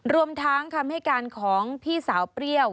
รวมทั้งคำให้การของพี่สาวเปรี้ยว